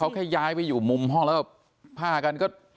เขาแค่ย้ายไปอยู่มุมห้องแล้วผ้ากันก็